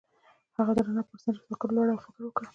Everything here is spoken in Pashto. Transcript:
هغه د رڼا پر څنډه ساکت ولاړ او فکر وکړ.